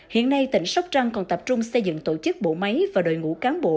hiện nay tỉnh sóc trăng còn tập trung xây dựng tổ chức bộ máy và đội ngũ cán bộ